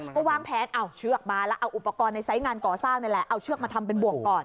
ก็วางแผนเอาเชือกมาแล้วเอาอุปกรณ์ในไซส์งานก่อสร้างนี่แหละเอาเชือกมาทำเป็นบ่วงก่อน